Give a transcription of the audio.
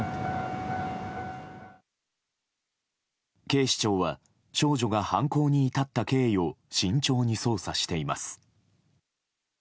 警視庁は少女が犯行に至った経緯を慎重に捜査しています。